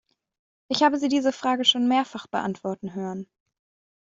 Ich habe Sie diese Frage schon mehrfach beantworten hören.